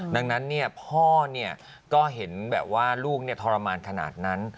ดังนั้นพ่อก็เห็นแบบว่าลูกทรมานขนาดนั้น